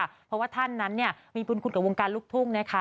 เพราะว่าท่านนั้นมีบุญคุณกับวงการลูกทุ่งนะคะ